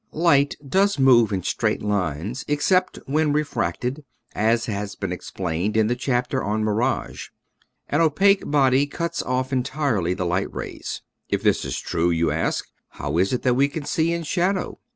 Light does move in straight lines, except when re fracted, as has been explained in the chap ter on Mirage. An opaque body cuts off en tirely the light rays. "If this is true," you ask, " how is it that we can see in shadow